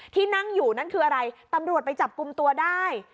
ที่นั่งอยู่นั่นคืออะไรตำรวจไปจับกลุ่มตัวได้